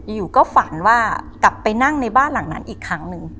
อยู่ก็ฝันว่ากลับไปนั่งในบ้านหลังนั้นอีกครั้งหนึ่ง